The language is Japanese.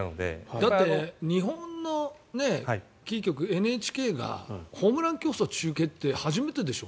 だって日本のキー局、ＮＨＫがホームラン競争中継って初めてでしょ？